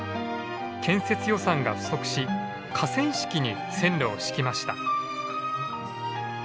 建設予算が不足し河川敷に線路を敷きました。